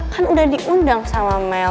kan udah diundang sama mel